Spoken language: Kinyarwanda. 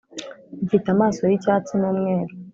mfite amaso yicyatsi n’umweru.